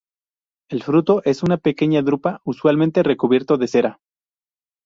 El fruto es una pequeña drupa, usualmente recubierto de cera.